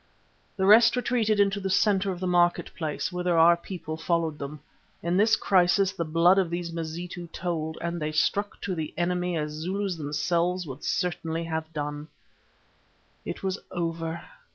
The rest retreated into the centre of the market place, whither our people followed them. In this crisis the blood of these Mazitu told, and they stuck to the enemy as Zulus themselves would certainly have done. It was over!